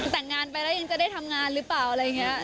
แต่งงานไปแล้วยังจะได้ทำงานหรือเปล่าอะไรอย่างนี้